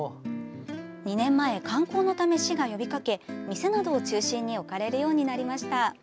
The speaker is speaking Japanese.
２年前、観光のため市が呼びかけ店などを中心に置かれるようになりました。